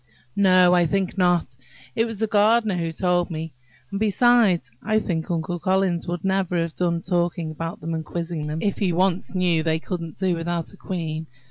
"No, I think not. It was the gardener who told me. And, besides, I think Uncle Collins would never have done talking about them and quizzing them, if he once knew they couldn't do without a queen.